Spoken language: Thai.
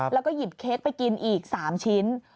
แล้วก็หยิบเค้กไปกินอีก๓ชิ้น